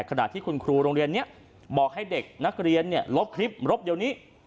ขณะที่คุณครูโรงเรียนนี้บอกให้เด็กนักเรียนลบคลิปรบเดี๋ยวนี้